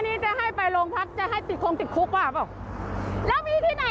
ไม่ได้โอนเข้าลงพักนะโอนเข้าบันทึกส่วนตัวด้วย